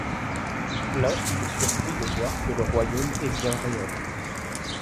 Là il est surpris de voir que le royaume est bien réel.